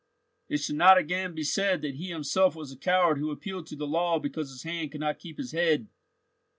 "It should not again be said that he himself was a coward who appealed to the law because his hand could not keep his head."